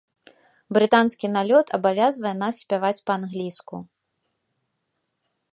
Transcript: Брытанскі налёт абавязвае нас спяваць па-англійску.